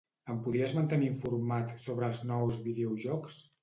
Em podries mantenir informat sobre els nous videojocs?